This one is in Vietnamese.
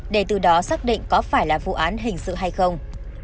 để từ đó xác định có phải là vụ án hình sự hay không